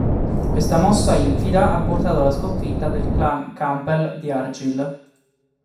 Questa mossa infida ha portato alla sconfitta del Clan Campbell di Argyll.